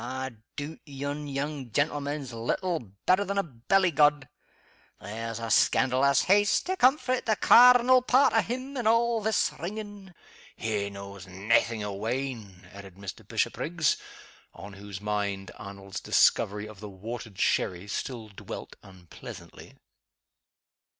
I doot yon young gentleman's little better than a belly god there's a scandalous haste to comfort the carnal part o' him in a' this ringin'! He knows naething o' wine," added Mr. Bishopriggs, on whose mind Arnold's discovery of the watered sherry still dwelt unpleasantly.